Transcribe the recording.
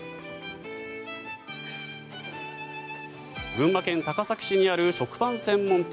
群馬県高崎市にある食パン専門店。